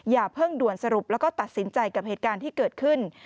อย่าเพิ่งด่วนสรุปแล้วก็ตัดสินใจกับเหตุการณ์ที่เกิดขึ้น